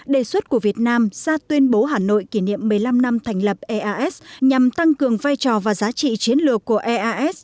đề xuất của việt nam ra tuyên bố hà nội kỷ niệm một mươi năm năm thành lập eas nhằm tăng cường vai trò và giá trị chiến lược của eas